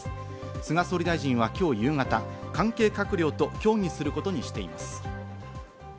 菅総理大臣は今日夕方、関係閣僚と協議することにしています。